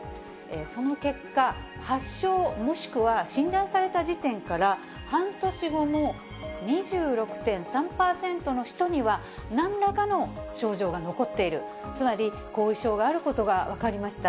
その結果、発症、もしくは診断された時点から半年後の２６．３％の人には、なんらかの症状が残っている、つまり、後遺症があることが分かりました。